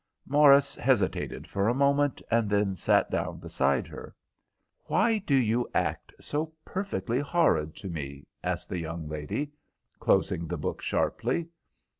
Morris hesitated for a moment, and then sat down beside her. "Why do you act so perfectly horrid to me?" asked the young lady, closing the book sharply.